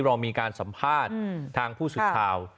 เรามีการสัมภาษณ์ทางผู้สื่อข่าว